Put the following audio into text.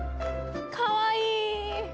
かわいい！